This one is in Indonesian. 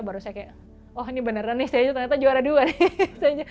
baru saya kayak oh ini beneran nih saya aja ternyata juara dua nih